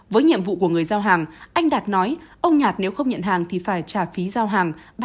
với nhiệm vụ của người giao hàng anh đạt nói ông nhạt nếu không nhận hàng thì phải trả phí giao hàng